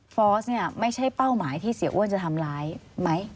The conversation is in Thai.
อสเนี่ยไม่ใช่เป้าหมายที่เสียอ้วนจะทำร้ายไหม